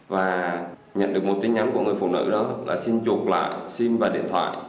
và nhận được một tin nhắn của người phụ nữ đó là xin chuộc lại sim và điện thoại